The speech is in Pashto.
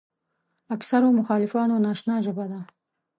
اکثرو مخالفانو ناآشنا ژبه ده.